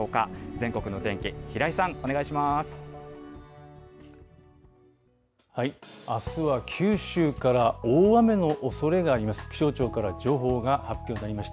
全国の天気、平井さん、お願いしあすは九州から大雨のおそれがあります。